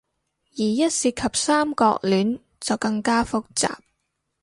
而一涉及三角戀，就更加複雜